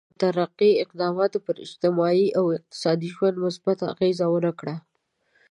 دې مترقي اقداماتو پر اجتماعي او اقتصادي ژوند مثبته اغېزه ونه کړه.